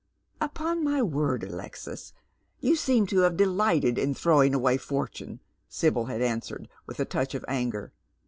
" Upon my word, Alexis, you seem to have delighted in throw* ing away fortune," Sibyl had answered, with a touch of anger.